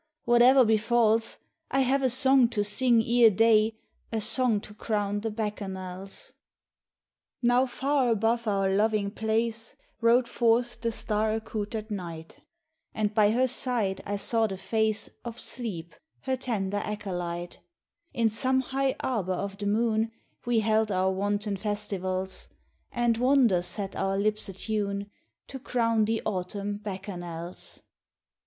whate'er befalls, I have a song to sing ere day, A song to crown the Bacchanals." Now far above our loving place Rode forth the star accoutred Night, And by her side I saw the face Of Sleep, her tender acolyte. 34 THE BALLAD OF THE BACCHANALS In some high arbour of the moon We held our wanton festivals ; And wonder set our lips atune To crown the autumn Bacchanals.